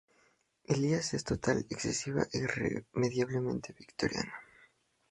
Elías es total, excesiva, e irremediablemente victoriano.